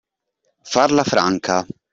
Farla franca.